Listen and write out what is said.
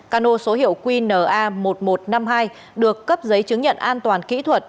cano số hiệu qna một nghìn một trăm năm mươi hai được cấp giấy chứng nhận an toàn kỹ thuật